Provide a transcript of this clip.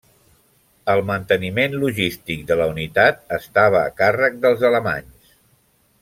El manteniment logístic de la unitat estava a càrrec dels alemanys.